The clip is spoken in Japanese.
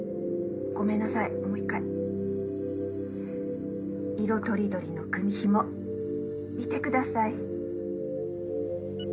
ごめんなさいもう一回。色とりどりの組紐見てください。